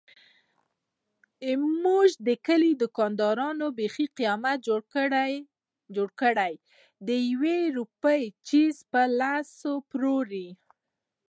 زموږ د کلي دوکاندارانو بیخي قیامت جوړ کړی دیوې روپۍ څيز په لس پلوري.